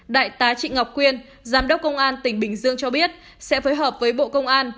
đại tá trị ngọc quyên giám đốc công an tỉnh bình dương cho biết sẽ phối hợp với bộ công an